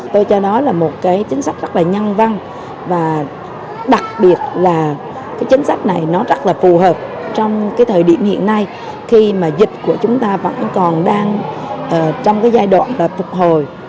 tôi cho nó là một cái chính sách rất là nhân văn và đặc biệt là cái chính sách này nó rất là phù hợp trong cái thời điểm hiện nay khi mà dịch của chúng ta vẫn còn đang trong cái giai đoạn phục hồi